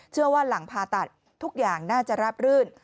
เชื่อว่าหลังผ่าตัดทุกอย่างน่าจะรับรื่น